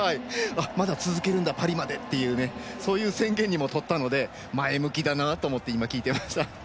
まだ続けるんだパリまでって宣言にとったので前向きだなと思って今、聞いていました。